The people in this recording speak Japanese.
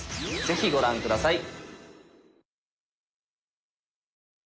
是非ご覧下さい。